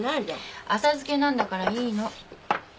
浅漬けなんだからいいの。